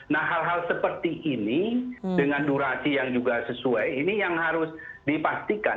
nah hal hal seperti ini dengan durasi yang juga sesuai ini yang harus dipastikan